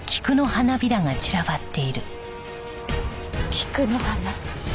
菊の花。